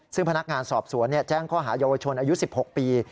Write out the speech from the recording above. ซึ่งพนักงานสอบสวนแจ้งข้อหาเยาวชนอายุ๑๖ปี